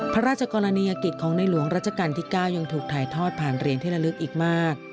พระราชกรณียกิจของในหลวงรัชกาลที่๙ยังถูกถ่ายทอดผ่านเหรียญที่ละลึกอีกมาก